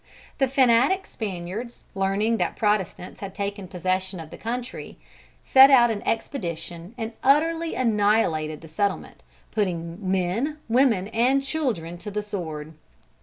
The fanatic Spaniards, learning that Protestants had taken possession of the country, sent out an expedition and utterly annihilated the settlement, putting men, women and children to the sword.